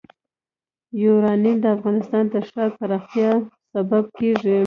یورانیم د افغانستان د ښاري پراختیا سبب کېږي.